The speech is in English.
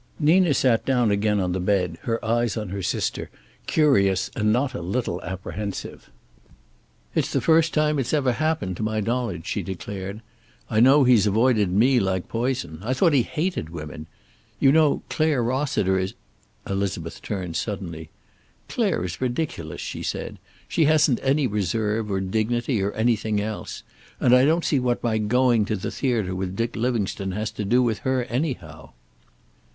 Nina sat down again on the bed, her eyes on her sister, curious and not a little apprehensive. "It's the first time it's ever happened, to my knowledge," she declared. "I know he's avoided me like poison. I thought he hated women. You know Clare Rossiter is " Elizabeth turned suddenly. "Clare is ridiculous," she said. "She hasn't any reserve, or dignity, or anything else. And I don't see what my going to the theater with Dick Livingstone has to do with her anyhow."